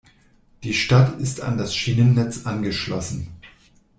Die Stadt ist an das Schienennetz angeschlossen.